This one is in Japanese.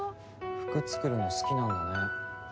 服作るの好きなんだね。